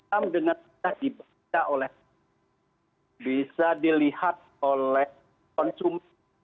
modern dan bisa dilihat oleh konsumen